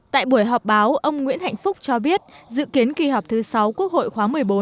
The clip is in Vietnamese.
tại buổi họp báo ông nguyễn hạnh phúc cho biết dự kiến kỳ họp thứ sáu quốc hội khóa một mươi bốn